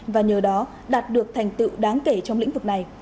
và nhờ đó đạt được thành tựu đáng kể trong lĩnh vực này